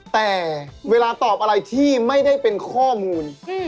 แต่เวลาตอบอะไรที่ไม่ได้เป็นข้อมูล